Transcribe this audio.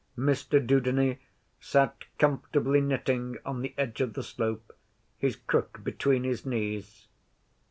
Mr Dudeney sat comfortably knitting on the edge of the slope, his crook between his knees.